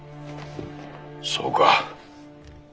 そうか。